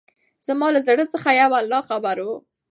زما له زړه څخه يو الله خبر وو.